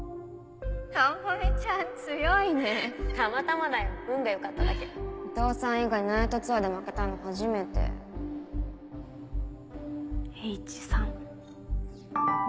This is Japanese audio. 朋美ちゃん強いねたまたまだよ運が良かっただけお父さん以外にナイトツアーで負けたの初Ｈ３。